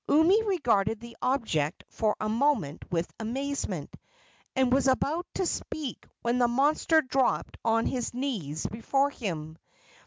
Umi regarded the object for a moment with amazement, and was about to speak when the monster dropped on his knees before him.